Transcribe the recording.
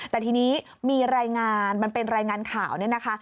แต่ทีนี้มีรายงานมันเป็นรายงานข่าวเนี่ยนะคะ